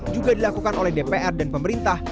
juga dilakukan oleh dpr dan pemerintah